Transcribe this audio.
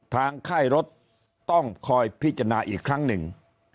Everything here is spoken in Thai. ค่ายรถต้องคอยพิจารณาอีกครั้งหนึ่ง